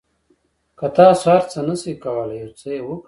که تاسو هر څه نه شئ کولای یو څه یې وکړئ.